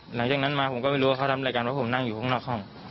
หลังจากนั้นมาผมก็ไม่รู้ว่าเขาทำอะไรกันเพราะผมนั่งอยู่ข้างนอกห้อง